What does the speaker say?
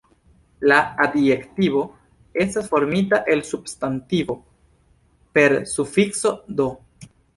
La adjektivo estas formita el substantivo per sufikso "-d".